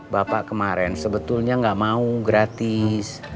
bapak kemarin sebetulnya nggak mau gratis